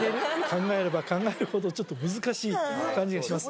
考えれば考えるほどちょっと難しい感じがします